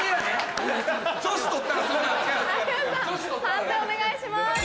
判定お願いします。